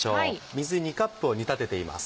水２カップを煮立てています。